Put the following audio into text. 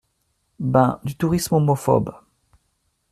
Ben, du touriste homophobe.